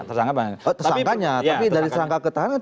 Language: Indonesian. tersangkanya tapi dari tersangka ke tahan